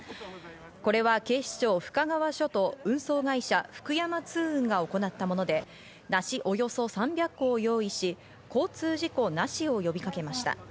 これは警視庁・深川署と運送会社、福山通運が行ったもので、梨およそ３００個を用意し交通事故なしを呼びかけました。